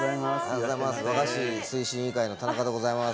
和菓子推進委員会の田中でございます。